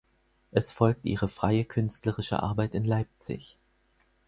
Es folgt ihre freie künstlerische Arbeit in Leipzig.